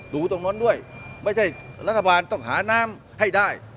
ดูตรงนั้นด้วยไม่ใช่รัฐบาลต้องหาน้ำให้ได้